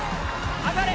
上がれ！